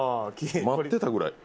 待ってたぐらい。